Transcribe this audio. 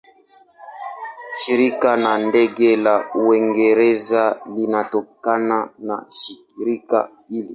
Shirika la Ndege la Uingereza linatokana na shirika hili.